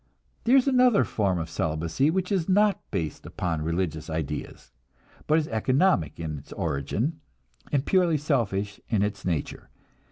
There is another form of celibacy which is not based upon religious ideas, but is economic in its origin, and purely selfish in its nature.